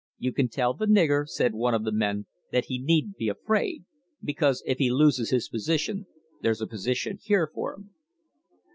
"You can tell the nigger," said one of the men, "that he needn't be afraid, because if he loses his position there's a position here for him."